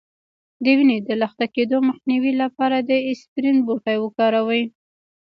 د وینې د لخته کیدو مخنیوي لپاره اسپرین بوټی وکاروئ